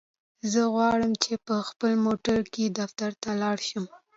زه غواړم چی په خپل موټرکی دفترته لاړشم.